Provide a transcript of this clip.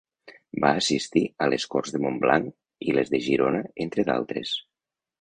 Va assistir a les Corts de Montblanc i les de Girona entre d'altres.